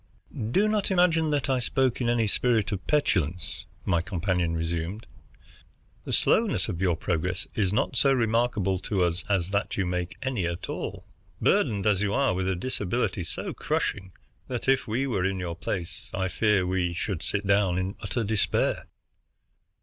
"Do not imagine that I spoke in any spirit of petulance," my companion resumed. "The slowness of your progress is not so remarkable to us as that you make any at all, burdened as you are by a disability so crushing that if we were in your place I fear we should sit down in utter despair."